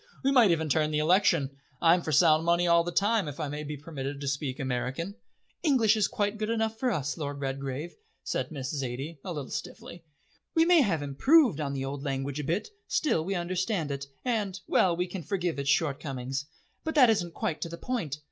We might even turn the election. I'm for sound money all the time, if I may be permitted to speak American." "English is quite good enough for us, Lord Redgrave," said Miss Zaidie a little stiffly. "We may have improved on the old language a bit, still we understand it, and well, we can forgive its shortcomings. But that isn't quite to the point."